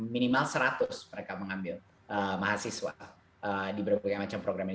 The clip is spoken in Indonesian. minimal seratus mereka mengambil mahasiswa di berbagai macam program ini